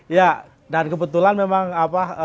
ya dan kebetulan memang apa